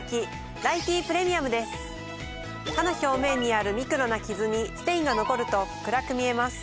歯の表面にあるミクロなキズにステインが残ると暗く見えます。